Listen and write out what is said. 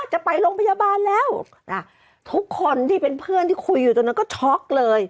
จะไปโรงพยาบาลแล้วทุกคนที่เป็นเพื่อนที่คุยอยู่ตรงนั้นก็ช็อกเลย